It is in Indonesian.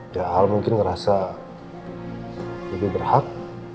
ya hal mungkin ngerasa lebih berhak